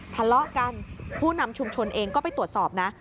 ทะเลาะกันผู้นำชุมชนเองก็ไปตรวจสอบนะ